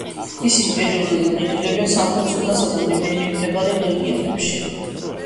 ისინი პერიოდულად მიგრირებენ სამხრეთ სუდანსა და მიმდებარე რეგიონებში.